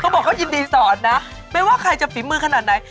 บอกเขายินดีสอนนะไม่ว่าใครจะฝีมือขนาดไหน